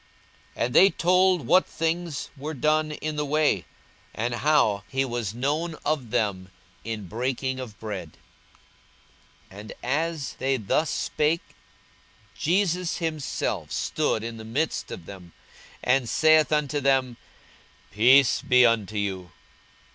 42:024:035 And they told what things were done in the way, and how he was known of them in breaking of bread. 42:024:036 And as they thus spake, Jesus himself stood in the midst of them, and saith unto them, Peace be unto you.